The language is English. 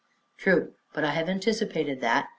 "True; but I have anticipated that.